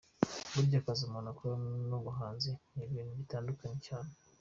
Burya akazi umuntu akora n’ubuhanzi, ni ibintu bitandukanye cyane.